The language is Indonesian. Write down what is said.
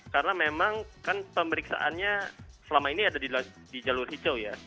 karena memang kan pemeriksaannya selama ini ada di jalur hijau ya